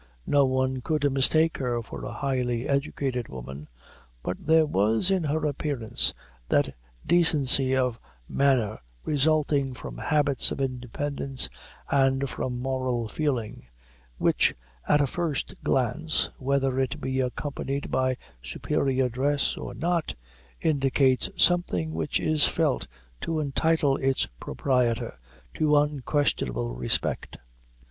No one could mistake her for a highly educated woman but there was in her appearance that decency of manner resulting from habits of independence and from moral feeling, which at a first glance, whether it be accompanied by superior dress or not, indicates something which is felt to entitle its proprietor to unquestionable respect.